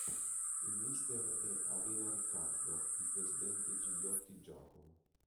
Il mister è Avena Riccardo, il presidente Gigliotti Giacomo.